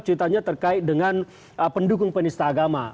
ceritanya terkait dengan pendukung penista agama